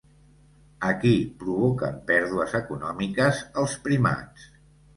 A qui provoquen pèrdues econòmiques els primats?